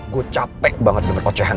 gue capek banget denger ocehan